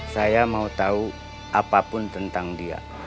saya mau tahu apapun tentang dia